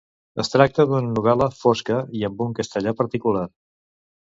Es tracta d'una novel·la fosca i amb un castellà particular.